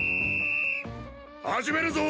始めるぞ！